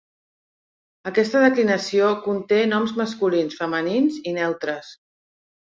Aquesta declinació conté noms masculins, femenins i neutres.